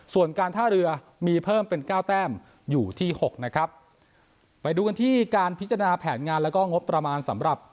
ส่วนการท่าเรือมีเพิ่มเป็นเก้าแต้มอยู่ที่หกนะครับไปดูกันที่การพิจารณาแผนงานแล้วก็งบประมาณสำหรับ